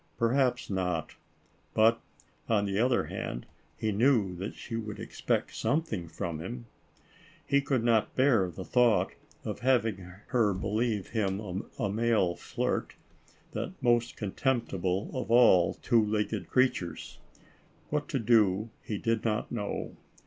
Perhaps not; but, on the other hand, he knew that she would expect something from him. He could not bear the thought of having her believe him a male flirt, that most contemptible of all two legged creatures. What to do he did not know.